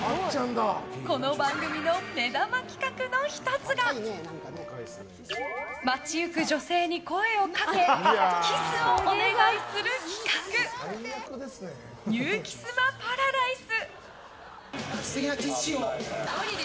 この番組の目玉企画の１つが街行く女性に声をかけキスをお願いする企画ニュー・キスマ・パラダイス。